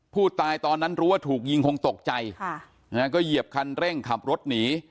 ตอนนั้นรู้ว่าถูกยิงคงตกใจค่ะนะฮะก็เหยียบคันเร่งขับรถหนี